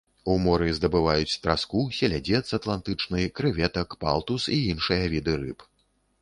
У моры здабываюць траску, селядзец атлантычны, крэветак, палтус і іншыя віды рыб.